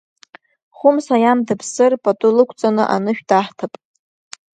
Хәымса иан дыԥсыр, пату лықәҵаны, анышә даҳҭап.